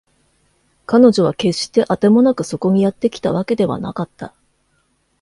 彼女は決してあてもなくそこにやってきたわけではなかった